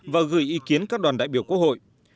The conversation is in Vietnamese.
và gửi ý kiến các đoàn đại biểu quốc hội